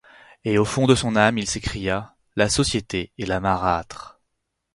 Et au fond de son âme, il s’écria: La société est la marâtre.